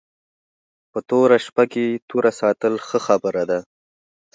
په توره شپه کې توره ساتل ښه خبره ده